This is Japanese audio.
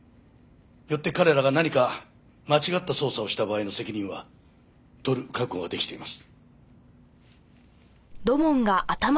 よって彼らが何か間違った捜査をした場合の責任は取る覚悟ができています。